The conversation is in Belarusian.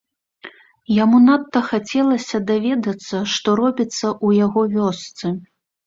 Яму надта хацелася даведацца, што робіцца ў яго вёсцы.